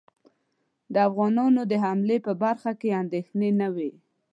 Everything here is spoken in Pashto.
د افغانانو د حملې په برخه کې اندېښنې نه وې.